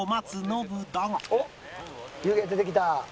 おっ湯気出てきた。